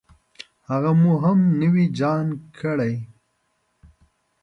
هغه مو هم نوي جان کړې.